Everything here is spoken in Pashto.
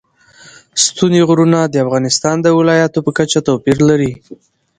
ستوني غرونه د افغانستان د ولایاتو په کچه توپیر لري.